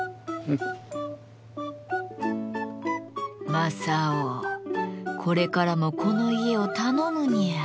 正雄これからもこの家を頼むニャー。